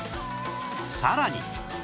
さらに